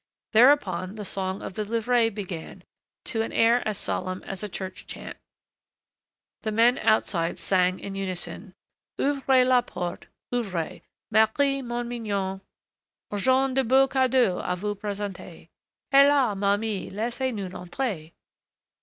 Thereupon, the song of the livrées began, to an air as solemn as a church chant. The men outside sang in unison: "Ouvrez la porte, ouvrez, Marie, ma mignonne, J'ons de beaux cadeaux à vous présenter. Hélas! ma mie, laissez nous entrer."